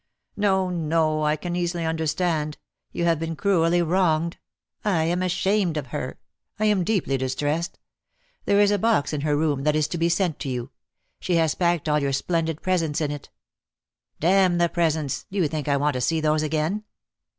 "No, no; I can easily understand. You have been cruelly wronged. I am ashamed of her. I am deeply distressed. There is a box in her room that is to be sent to you. She has packed all your splendid presents in it." "Damn the presents! Do you think I want to see those again?"